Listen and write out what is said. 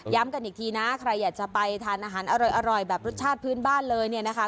กันอีกทีนะใครอยากจะไปทานอาหารอร่อยแบบรสชาติพื้นบ้านเลยเนี่ยนะคะ